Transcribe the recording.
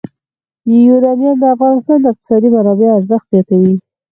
یورانیم د افغانستان د اقتصادي منابعو ارزښت زیاتوي.